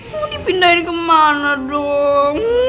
mau dipindahin kemana dong